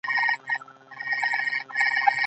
ځه ووځه کنه وهم دې او تاوان در رسوم.